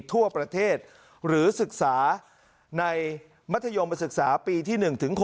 ทั่วประเทศหรือศึกษาในมัธยมศึกษาปีที่๑๖